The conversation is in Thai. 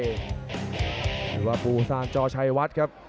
หรือว่าภูซานจอชัยวัดครับ